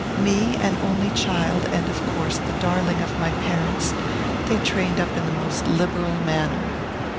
"Me, an only child, and, of course, the darling of my parents, they trained up in the most liberal manner.